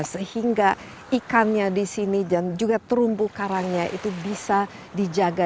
sehingga ikannya di sini dan juga terumbu karangnya itu bisa dijaga